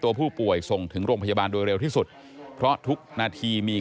ตัวผู้ป่วยส่งถึงโรงพยาบาลโดยเร็วที่สุดเพราะทุกนาทีมี